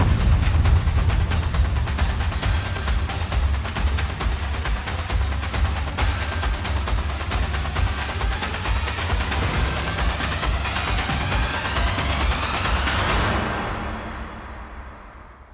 จริงตัวพี่เขาก็ไม่ได้ยื้อแล้ว